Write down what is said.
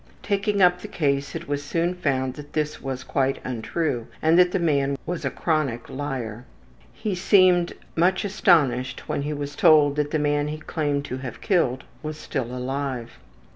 Taking up the case it was soon found that this was quite untrue and that the man was a chronic liar. He seemed much astonished when he was told that the man he claimed to have killed was still alive.